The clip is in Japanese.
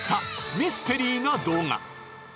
ミステリーな動画。